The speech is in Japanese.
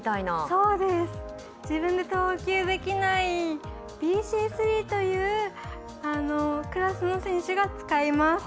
自分で投球できないＢＣ３というクラスの選手が使います。